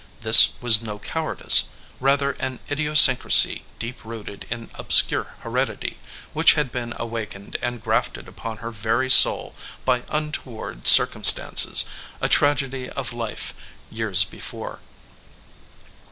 This was no cowardice, rather an idiosyncrasy deep rooted in obscure heredity, which had been awakened and 5 EDGEWATER PEOPLE grafted upon her very soul by untoward circum stance, a tragedy of life, years before.